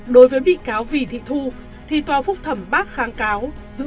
đối với bị cáo vì thị thu thì tòa phúc thẩm bác kháng cáo